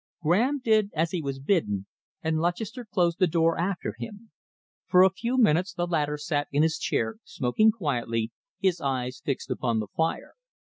Graham did as he was bidden, and Lutchester closed the door after him. For a few minutes the latter sat in his chair, smoking quietly, his eyes fixed upon the fire.